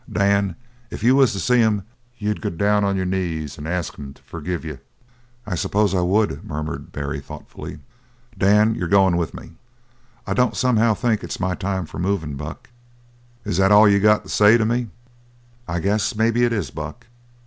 Dan, if you was to see him you'd go down on your knees and ask him to forgive you!" "I s'pose I would," murmured Barry thoughtfully. "Dan, you're goin' to go with me!" "I don't somehow think its my time for movin', Buck." "Is that all you got to say to me?" "I guess maybe it is, Buck."